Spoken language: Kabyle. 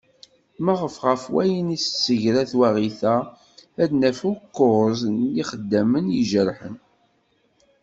Ma ɣef wayen i d-tessegra twaɣit-a, ad naf ukuẓ n yixeddamen i ijerḥen.